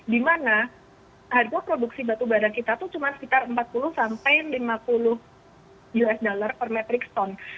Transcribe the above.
dimana harga produksi batu bara kita itu cuma sekitar empat puluh sampai lima puluh us dollar per metric stone